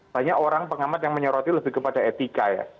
banyak orang pengamat yang menyoroti lebih kepada etika ya